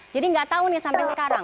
jadi enggak tahu nih sampai sekarang